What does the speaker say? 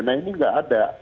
nah ini tidak ada